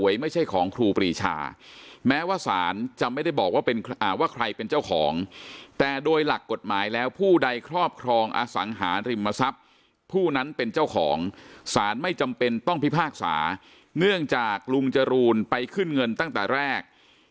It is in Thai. รอบครองอสังหาริมทรัพย์ผู้นั้นเป็นเจ้าของศาลไม่จำเป็นต้องพิพากษาเนื่องจากลุงจรูลไปขึ้นเงินตั้งแต่แรก